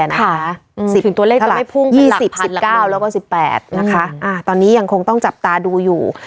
ตัวเลขจะไม่พุ่งเป็น๑๐๑๙แล้วก็๑๘นะคะตอนนี้ยังคงต้องจับตาดูอยู่